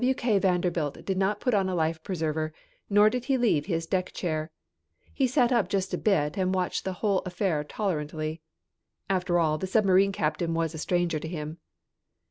W. K. Vanderbilt did not put on a life preserver nor did he leave his deck chair. He sat up just a bit and watched the whole affair tolerantly. After all the submarine captain was a stranger to him.